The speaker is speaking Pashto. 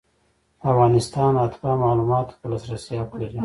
د افغانستان اتباع معلوماتو ته د لاسرسي حق لري.